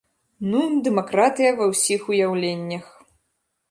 Ну, дэмакратыя ва ўсіх уяўленнях!